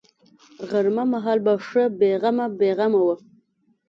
غرمه مهال به ښه بې غمه بې غمه وه.